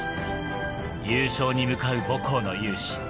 優勝に向かう母校の雄姿。